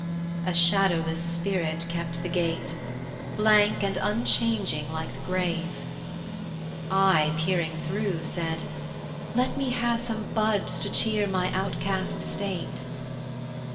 A shadowless spirit kept the gate, Blank and unchanging like the grave. I peering through said: "Let me have Some buds to cheer my outcast state."